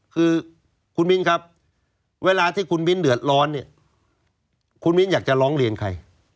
คือคุณมิ้นครับเวลาที่คุณมิ้นเดือดร้อนเนี่ยคุณมิ้นอยากจะร้องเรียนใคร